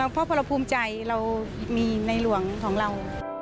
เพราะพอเราภูมิใจเรามีในหลวงของเรา